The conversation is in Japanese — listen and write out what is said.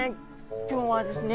今日はですね